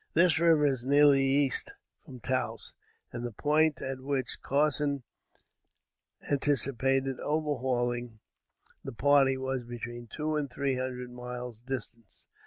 This river is nearly east from Taos; and the point at which Carson anticipated overhauling the party was between two and three hundred miles distant.